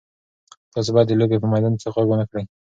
تاسي باید د لوبې په میدان کې غږ ونه کړئ.